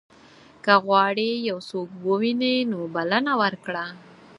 که غواړې یو څوک ووینې نو بلنه ورکړه.